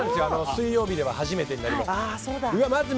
水曜日では初めてになります。